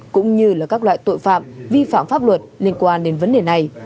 cũng như các loại tội phạm vi phạm pháp luật liên quan đến vấn đề này